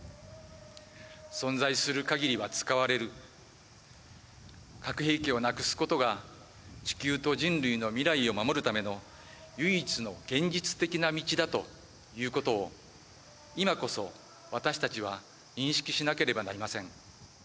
存在するかぎりは使われる、核兵器をなくすことが、地球と人類の未来を守るための唯一の現実的な道だということを、今こそ、私たちは認識しなければなりません。